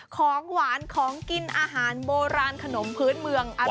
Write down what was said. ของหวานของกินอาหารโบราณขนมพื้นเมืองอร่อย